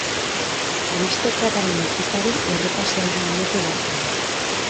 Aristokrataren bizitzari errepasoa egin diote bertan.